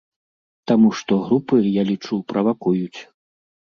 Таму што групы, я лічу, правакуюць.